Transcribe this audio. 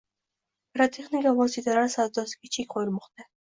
Pirotexnika vositalari savdosiga chek qo‘yilmoqda